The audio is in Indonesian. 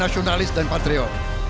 nasionalis dan patrio